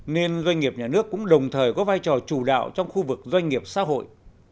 nên doanh nghiệp nhà nước cũng đồng thời có vai trò chủ đạo trong khu vực doanh nghiệp xã hội